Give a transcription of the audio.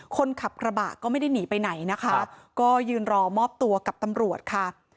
คนขับกระบะก็ไม่ได้หนีไปไหนนะคะก็ยืนรอมอบตัวกับตำรวจค่ะ